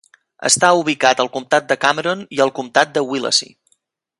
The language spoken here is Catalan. Està ubicat al comtat de Cameron i al comtat de Willacy.